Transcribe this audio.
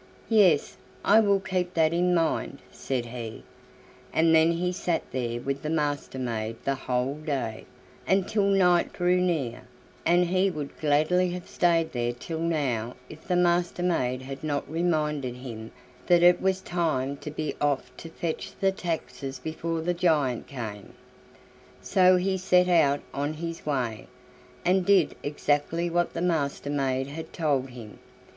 '" "Yes, I will keep that in mind," said he, and then he sat there with the Master maid the whole day, until night drew near, and he would gladly have stayed there till now if the Master maid had not reminded him that it was time to be off to fetch the taxes before the giant came. So he set out on his way, and did exactly what the Master maid had told him.